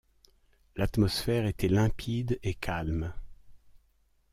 L’atmosphère était limpide et calme.